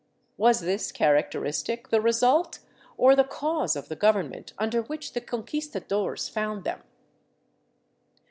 Was this characteristic the result or the cause of the govern ment under which the Conquistadores found them?